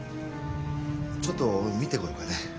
ちょっと見てこようかね。